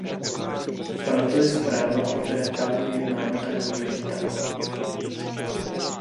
Proto je zpráva, o které právě jednáme, tak důležitá.